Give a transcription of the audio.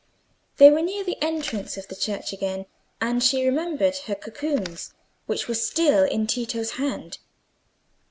They were now near the entrance of the church again, and she remembered her cocoons which were still in Tito's hand.